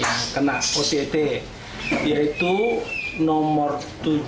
yang kena ott yaitu nomor tujuh puluh empat tahun dua ribu lima belas